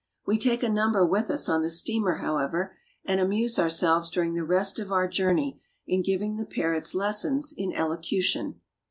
We take a number with us on the steamer, however, and amuse ourselves during the rest of our journey in giving the parrots lessons in elocution.